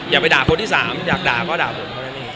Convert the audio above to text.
อย่าไปด่าคนที่สามอยากด่าก็ด่าผม